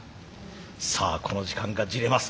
さあこの時間がじれます。